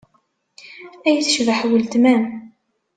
Ay tecbeḥ weltma-m!